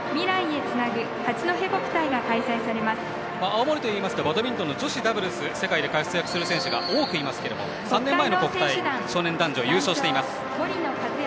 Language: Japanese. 青森といいますとバドミントンの女子ダブルス世界で活躍する選手が多くいますけれども３年前の国体、少年男女優勝しています。